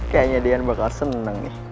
kayaknya deyan bakal seneng nih